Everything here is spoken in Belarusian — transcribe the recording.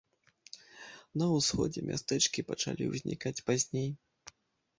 На ўсходзе мястэчкі пачалі ўзнікаць пазней.